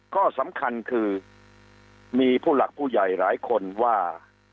ก็สำคัญคือมีผู้หลักผู้ใหญ่หลายคนว่า